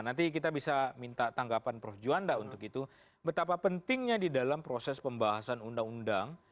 nanti kita bisa minta tanggapan prof juanda untuk itu betapa pentingnya di dalam proses pembahasan undang undang